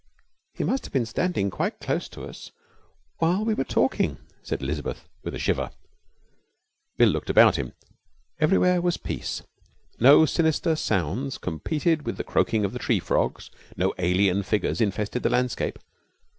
'He must have been standing quite close to us while we were talking,' said Elizabeth, with a shiver. Bill looked about him. Everywhere was peace. No sinister sounds competed with the croaking of the tree frogs. No alien figures infested the landscape.